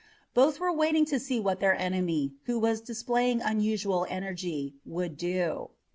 Both were waiting to see what their enemy, who was displaying unusual energy, would do.